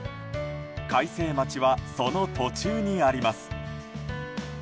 開成町は、その途中にあります。